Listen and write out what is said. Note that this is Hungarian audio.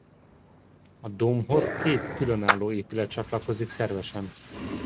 A dómhoz két különálló épület csatlakozik szervesen.